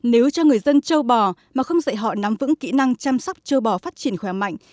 nếu cho người dân châu bò mà không dạy họ nắm vững kỹ năng chăm sóc châu bò phát triển khỏe mạnh